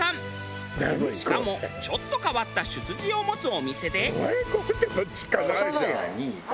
しかもちょっと変わった出自を持つお店で。